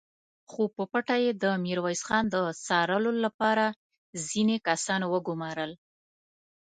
خو په پټه يې د ميرويس خان د څارلو له پاره ځينې کسان وګومارل!